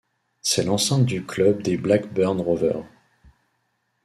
C'est l'enceinte du club des Blackburn Rovers.